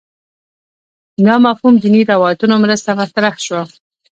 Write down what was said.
دا مفهوم دیني روایتونو مرسته مطرح شو